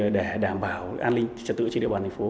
để đảm bảo an ninh trật tự trên địa bàn tp